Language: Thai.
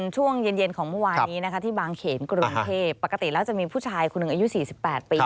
ช่วงเย็นของเมื่อวานนี้นะคะที่บางเขนกรุงเทพปกติแล้วจะมีผู้ชายคนหนึ่งอายุ๔๘ปี